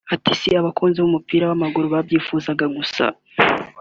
Ati “Si abakunzi b’umupira w’amaguru babyifuzaga gusa